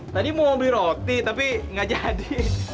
tadi mau beli roti tapi nggak jadi